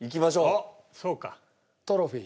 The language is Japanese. おっそうか。